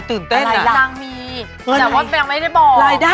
ต้องคำตั้ง๓คอนเลยค่ะ